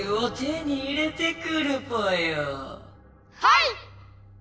はい！